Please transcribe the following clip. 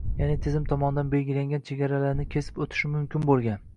ya’ni tizim tomonidan belgilangan chegaralarini kesib o‘tishi mumkin bo‘lgan